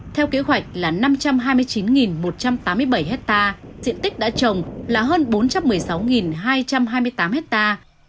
theo kế hoạch là năm trăm hai mươi chín một trăm tám mươi bảy hectare diện tích đã trồng là hơn bốn trăm một mươi sáu hai trăm hai mươi tám hectare